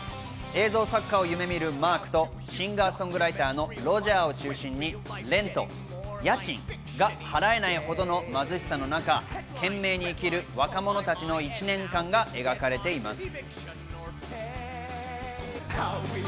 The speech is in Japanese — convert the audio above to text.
映像作家を夢見るマークとシンガー・ソングライターのロジャーを中心に、ＲＥＮＴ、家賃が払えないほどの貧しさの中、懸命に生きる若者たちの１年間が描かれています。